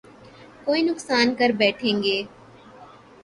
کوئی نقصان کر بیٹھیں گے